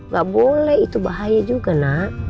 gak boleh itu bahaya juga nak